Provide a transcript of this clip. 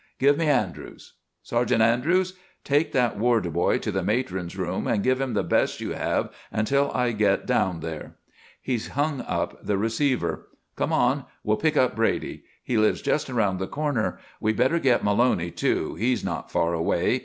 Give me Andrews. Sergeant Andrews? Take that Ward boy to the matron's room and give him the best you have until I get down there." He hung up the receiver. "Come on. We'll pick up Brady. He lives just around the corner. We better get Maloney, too; he's not far away.